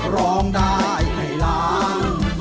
ร้องได้ให้ล้าน